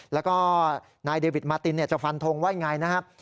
แล้วก็นายเดวิดมาตินจะฟันทงว่าอย่างไรนะครับ